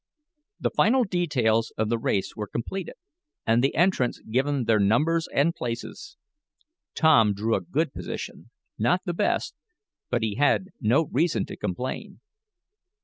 The final details of the race were completed, and the entrants given their numbers and places. Tom drew a good position, not the best, but he had no reason to complain.